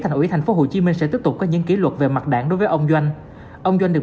thành phố hồ chí minh sẽ tiếp tục có những ký luật về mặt đảng đối với ông doanh ông doanh được